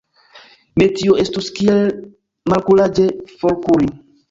Ne, tio estus kiel malkuraĝe forkuri.